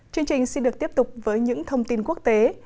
chương trình xin được tiếp tục với những thông tin quốc tế